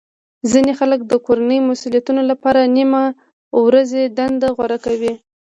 ځینې خلک د کورنۍ مسولیتونو لپاره نیمه ورځې دنده غوره کوي